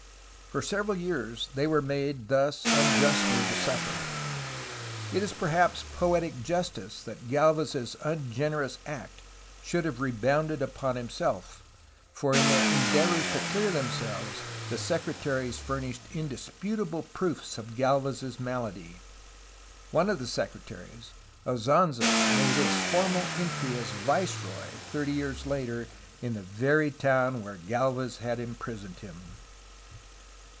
For several years they were made thus unjustly to suffer. It is perhaps poetic justice that Gdlvez's ungenerous act should have rebounded upon him self, for in their endeavors to clear themselves the secretaries furnished indisputable proofs of Galvez's malady. One of the secretaries, Azanza, made his formal entry as viceroy, thirty years later, in the very town where Gdlvez had im prisoned him.